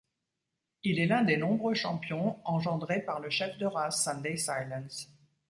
Il est l'un des nombreux champions engendrés par le chef de race Sunday Silence.